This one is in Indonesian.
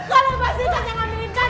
kalau pas izzan jangan ambil tintan